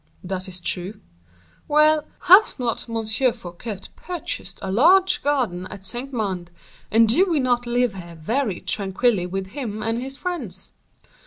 "That is true." "Well, has not M. Fouquet purchased a large garden at Saint Mande, and do we not live here very tranquilly with him and his friends?"